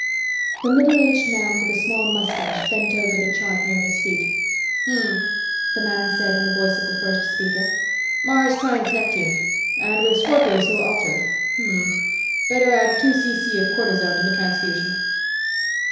The middle aged man with the small mustache bent over the chart near his feet. "Hmm," the man said in the voice of the first speaker. "Mars trines Neptune. And with Scorpio so altered ... hmm. Better add two cc. of cortisone to the transfusion."